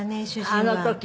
あの時？